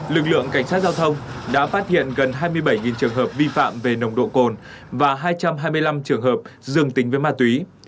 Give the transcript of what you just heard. lực lượng cảnh sát giao thông đã phát hiện gần hai mươi bảy trường hợp vi phạm về nồng độ cồn và hai trăm hai mươi năm trường hợp dương tính với ma túy